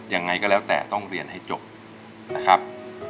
ยังไงก็แล้วแต่ต้องเรียนให้จบนะครับ